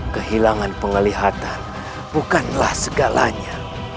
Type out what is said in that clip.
kehilangan pengelihatan bukanlah segalanya